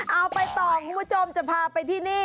เอาไปต่อคุณผู้ชมจะพาไปที่นี่